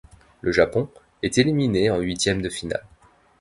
Le Japon est éliminé en huitièmes-de-finale.